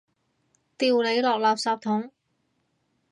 掉你落垃圾桶！